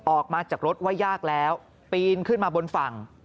ออกมาจากรถว่ายากแล้วปีนขึ้นมาบนฝั่ง